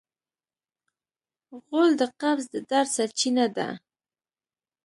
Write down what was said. غول د قبض د درد سرچینه ده.